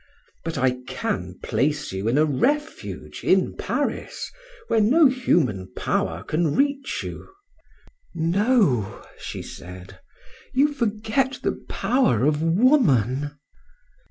But I can place you in a refuge in Paris, where no human power can reach you." "No," she said, "you forget the power of woman."